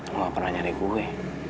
lo gak pernah nyari gue